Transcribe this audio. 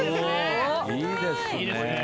いいですね。